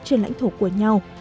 trên lãnh thổ của nhau